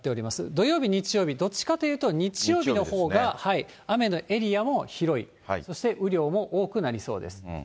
土曜日、日曜日、どっちかっていうと、日曜日のほうが雨のエリアも広い、そして雨量も多くなりそうです。